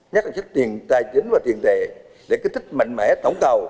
nhất là chất tiền tài chính và tiền tệ để kinh tích mạnh mẽ tổng cầu